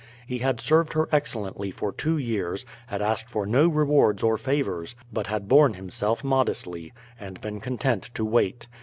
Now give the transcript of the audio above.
He had served her excellently for two years, had asked for no rewards or favours, but had borne himself modestly, and been content to wait.